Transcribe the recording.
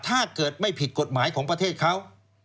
ถ้าเกิดไม่ผิดกฎหมายของประเทศเขา